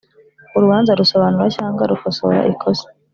Urubanza rusobanura cyangwa rukosora ikosa